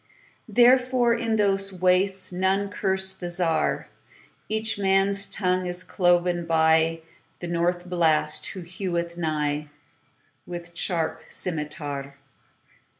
Therefore, in those wastesNone curse the Czar.Each man's tongue is cloven byThe North Blast, who heweth nighWith sharp scymitar.